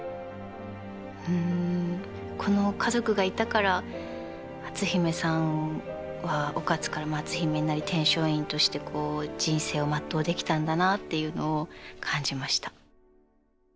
うんこの家族がいたから篤姫さんは於一から篤姫になり天璋院として人生を全うできたんだなっていうのを感じました。